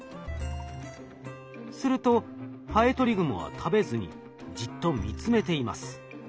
するとハエトリグモは食べずにじっと見つめています。